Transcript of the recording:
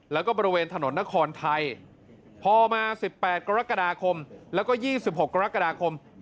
แล้วก็บริเวณถนนนครไทยพอมา๑๘กรกฎาคมแล้วก็๒๖กรกฎาคม